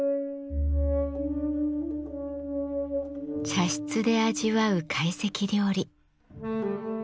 茶室で味わう懐石料理。